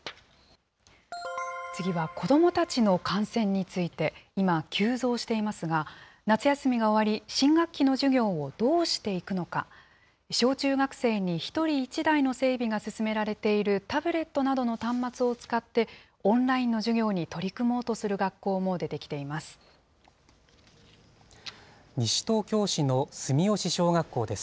次は子どもたちの感染について、今、急増していますが、夏休みが終わり、新学期の授業をどうしていくのか、小中学生に１人１台の整備が進められているタブレットなどの端末を使って、オンラインの授業に取り組もうとする学校も出てきてい西東京市の住吉小学校です。